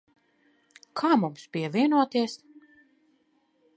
Kā mums pievienoties?